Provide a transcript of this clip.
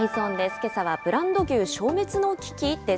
けさはブランド牛消滅の危機です。